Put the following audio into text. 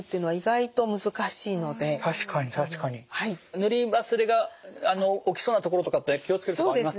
塗り忘れが起きそうな所とかって気を付ける所ありますか？